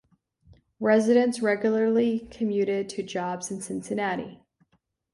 Residents regularly commuted to jobs in Cincinnati.